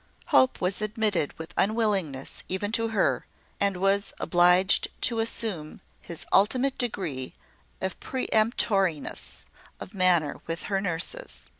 Hope was admitted with unwillingness even to her, and was obliged to assume his ultimate degree of peremptoriness of manner with her nurses.